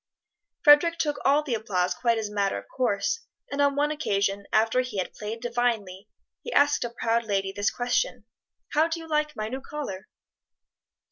Frederic took all the applause quite as a matter of course, and on one occasion, after he had played divinely, he asked a proud lady this question, "How do you like my new collar?"